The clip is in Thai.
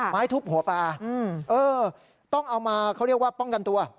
ไม้ทุบหัวปลาต้องเอามาเขาเรียกว่าป้องกันตัว